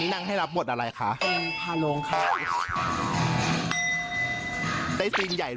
วันนี้เกี่ยวกับกองถ่ายเราจะมาอยู่กับว่าเขาเรียกว่าอะไรอ่ะนางแบบเหรอ